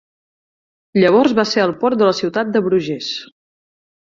Llavors va ser el port de la ciutat de Bruges.